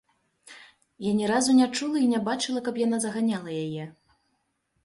Я ні разу не чула і не бачыла, каб яна заганяла яе.